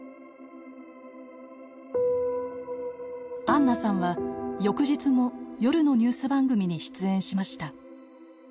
アンナさんは翌日も夜のニュース番組に出演しました。